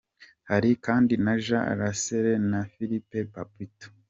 Hari kandi na Jean Lassalle na Philippe Poutou.